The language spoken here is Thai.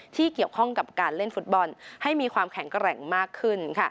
ที่เกี่ยวข้องกับการเล่นฟุตบอลให้มีความแข็งแกร่งมากขึ้น